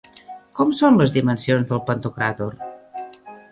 Com són les dimensions del Pantocràtor?